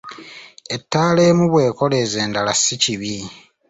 Ettaala emu bw'ekoleeza endala si kibi.